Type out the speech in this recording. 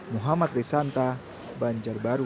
muhammad risanta banjar baru